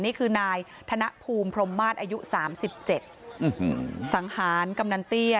นี่คือนายธนภูมิพรมมาตรอายุ๓๗สังหารกำนันเตี้ย